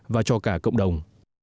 và cho cả cộng đồng